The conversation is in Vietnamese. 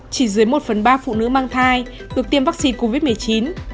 chỉ dưới một phần ba phụ nữ mang thai được tiêm vaccine covid một mươi chín